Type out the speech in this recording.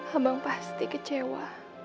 abang pasti kecewa